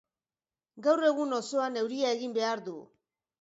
Gaur egun osoan euria egin behar du.